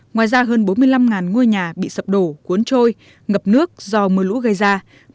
ngoài ra hơn bốn mươi năm ngôi nhà bị sập đổ cuốn trôi ngập nước do mưa lũ gây ra